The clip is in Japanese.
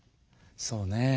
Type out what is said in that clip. そうね。